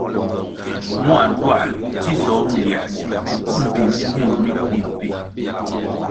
Mua ntuā dzisoh mbiē mbpi mur mi ndí mbpí.